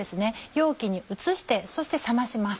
容器に移してそして冷まします